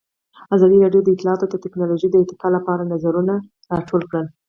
ازادي راډیو د اطلاعاتی تکنالوژي د ارتقا لپاره نظرونه راټول کړي.